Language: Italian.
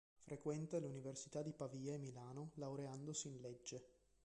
Frequenta le Università di Pavia e Milano laureandosi in legge.